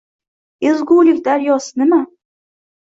Ezgulik daryosi nima?